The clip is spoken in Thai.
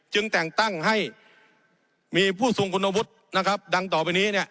จึงแต่งตั้งให้มีผู้ซวงค์คุณวุฒินะครับดังต่อไปนี้เนี่ย